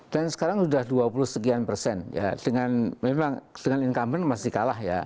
dan sekarang sudah dua puluh sekian persen dengan income masih kalah ya